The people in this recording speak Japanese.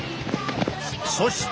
そして！